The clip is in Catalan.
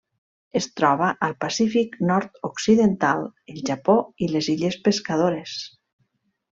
Es troba al Pacífic nord-occidental: el Japó i les illes Pescadores.